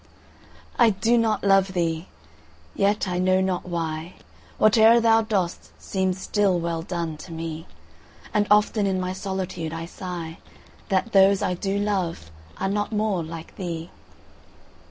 I do not love thee!—yet, I know not why, 5 Whate'er thou dost seems still well done, to me: And often in my solitude I sigh That those I do love are not more like thee!